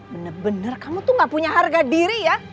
bener bener kamu tuh gak punya harga diri ya